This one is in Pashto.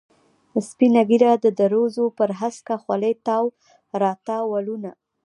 سپینه ږیره، د دروزو پر هسکه خولې تاو را تاو ولونه.